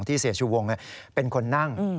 ที่เสียชูวงเป็นคนนั่ง